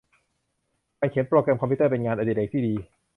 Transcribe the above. การเขียนโปรแกรมคอมพิวเตอร์ เป็นงานอดิเรกที่ดี